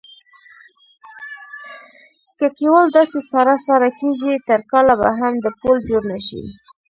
که کیوال داسې ساړه ساړه کېږي تر کاله به هم د پول جوړ نشي.